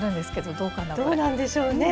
どうなんでしょうね。